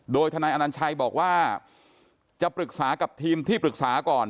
โดยทนายอนัญชัยบอกว่าจะปรึกษากับทีมที่ปรึกษาก่อน